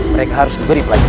mereka harus beri pelajaran